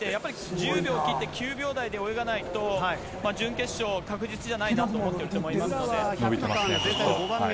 １０秒を切って、９秒台で泳がないと、準決勝、確実じゃないなと思いますので。